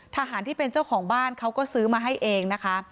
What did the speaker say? ทหารที่เป็นเจ้าของบ้านเขาก็ซื้อมาให้เองนะคะ